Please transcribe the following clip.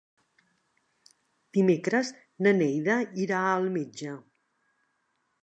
Dimecres na Neida irà al metge.